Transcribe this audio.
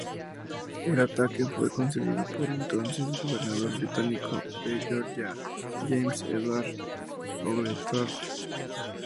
El ataque fue concebido por el entonces gobernador británico de Georgia, James Edward Oglethorpe.